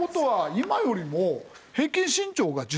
今よりも。